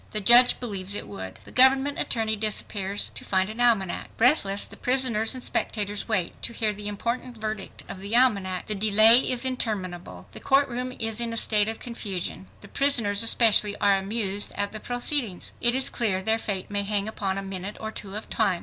The judge believes it would. The government attorney disappears to find an almanac. Breathless, the prisoners and spectators wait to hear the important verdict of the almanac. The delay is interminable. The court room is in a state of confusion. The prisoners, especially, are amused at the proceedings. It is clear their fate may hang upon a minute or two of time.